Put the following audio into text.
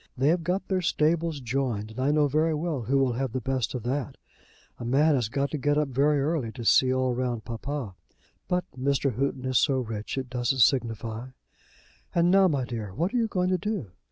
They have got their stables joined, and I know very well who will have the best of that. A man has to get up very early to see all round papa. But Mr. Houghton is so rich, it doesn't signify. And now, my dear, what are you going to do?